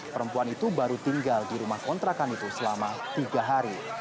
perempuan itu baru tinggal di rumah kontrakan itu selama tiga hari